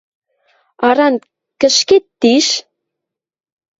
Аран кӹшкет тиш?